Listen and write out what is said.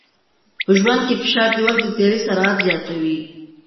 په ژوند کې فشار د وخت د تېري سرعت زیاتوي.